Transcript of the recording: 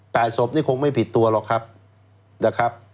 แปดศพนี่คงไม่ผิดตัวหรอกครับ